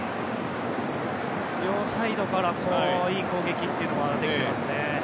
両サイドからいい攻撃ができていますね。